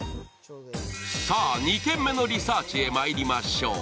さあ２軒目のリサーチへまいりましょう。